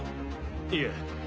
いえ。